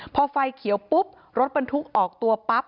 พอไฟเขียวปุ๊บรถบรรทุกออกตัวปั๊บ